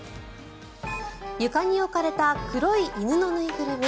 床に置かれた黒い犬の縫いぐるみ。